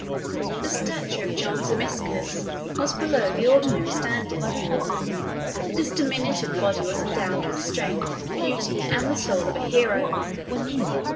The stature of John Zimisces was below the ordinary standard: but this diminutive body was endowed with strength, beauty, and the soul of a hero.